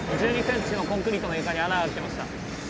１２ｃｍのコンクリートの床に穴開けました。